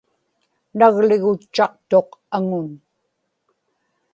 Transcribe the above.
nagligutchaktuq aŋun